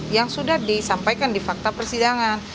yang sudah disampaikan di fakta persidangan